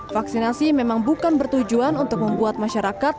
vaksinasi memang bukan bertujuan untuk membuat masyarakat